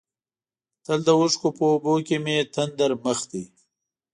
تل د اوښکو په اوبو کې مې تندر مخ دی.